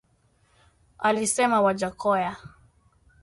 Alisema Wajackoya